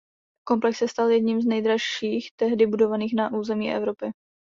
Komplex se stal jedním z nejdražších tehdy budovaných na území Evropy.